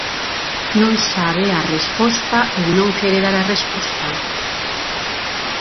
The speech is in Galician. ¿Non sabe a resposta ou non quere dar a resposta?